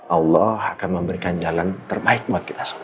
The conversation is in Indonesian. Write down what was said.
allah akan memberikan jalan terbaik buat kita semua